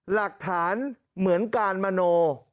หลักฐานเหมือนการมโน